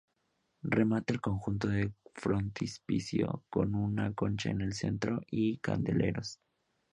Remata el conjunto un frontispicio con una concha en el centro y candeleros.